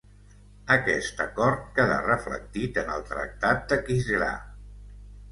Aquest acord quedà reflectit en el Tractat d'Aquisgrà.